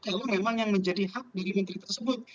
kalau memang yang menjadi hak dari menteri tersebut